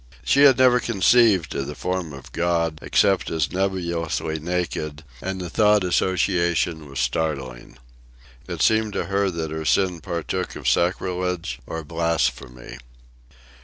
She had never conceived of the form of God except as nebulously naked, and the thought association was startling. It seemed to her that her sin partook of sacrilege or blasphemy.